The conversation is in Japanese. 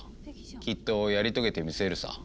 きっとやり遂げてみせるさ。